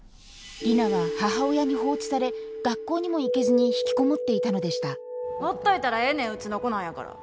里奈は母親に放置され学校にも行けずに引きこもっていたのでしたほっといたらええねんうちの子なんやから。